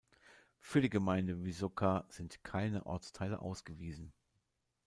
Für die Gemeinde Vysoká sind keine Ortsteile ausgewiesen.